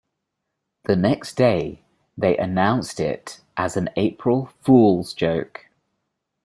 The next day, they announced it as an April Fool's joke.